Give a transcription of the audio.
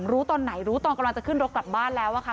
รู้ตอนไหนรู้ตอนกำลังจะขึ้นรถกลับบ้านแล้วอะค่ะ